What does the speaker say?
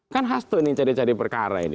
kan asto ini yang cari cari perkara ini